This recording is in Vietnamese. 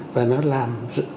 và nó làm